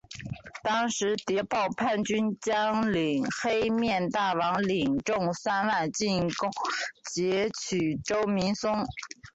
当时谍报叛军将领黑面大王领众三万进攻截取周明松。